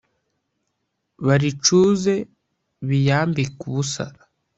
baricuze biyambike ubusa.